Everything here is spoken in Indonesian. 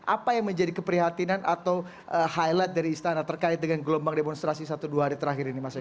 apa yang menjadi keprihatinan atau highlight dari istana terkait dengan gelombang demonstrasi satu dua hari terakhir ini